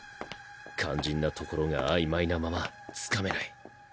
肝心なところが曖昧なまま掴めない。